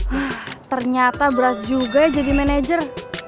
hmm ternyata berat juga jadi manajer